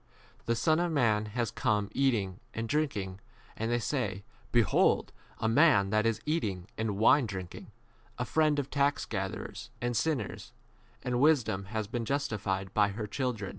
The Son of man has come eating and drinking, and ye say, Behold an eater and wine drinker, a friend 85 of tax gatherers and sinners ; and wisdom has been justified of all 89 her children.